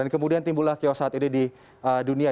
kemudian timbulah kios saat ini di dunia